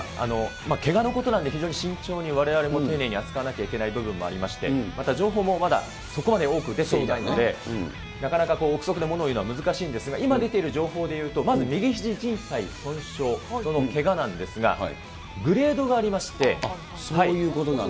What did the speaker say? けがのことなんで非常に慎重に丁寧に、われわれも丁寧に扱わなければいけない部分もありまして、また情報もまだそこまで多く出ていないので、なかなか臆測でものを言うのは難しいんですが、今出ている情報でいうと、まず右ひじじん帯損傷、このけがなんでそういうことなんだ。